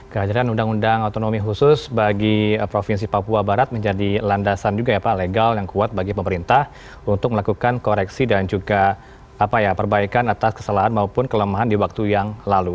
kehadiran undang undang otonomi khusus bagi provinsi papua barat menjadi landasan juga ya pak legal yang kuat bagi pemerintah untuk melakukan koreksi dan juga perbaikan atas kesalahan maupun kelemahan di waktu yang lalu